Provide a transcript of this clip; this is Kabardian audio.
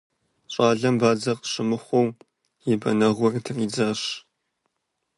ЩӀалэм бадзэ къыщымыхъуу и бэнэгъур тридзащ.